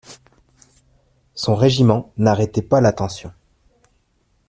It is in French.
Son régiment n'arrêtait pas l'attention.